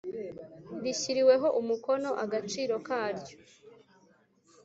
rishyiriweho umukono Agaciro karyo